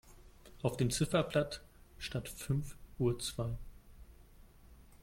Auf dem Ziffernblatt stand fünf Uhr zwei.